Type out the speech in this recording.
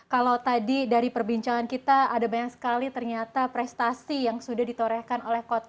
kalau tadi dari perbincangan kita ada banyak sekali ternyata prestasi yang sudah ditorehkan oleh coach